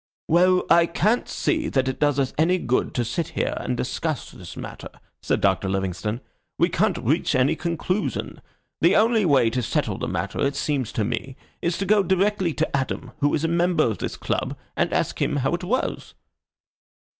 "Well, I can't see that it does us any good to sit here and discuss this matter," said Doctor Livingstone. "We can't reach any conclusion. The only way to settle the matter, it seems to me, is to go directly to Adam, who is a member of this club, and ask him how it was."